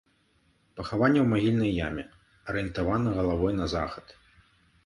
Пахаванне ў магільнай яме, арыентавана галавой на захад.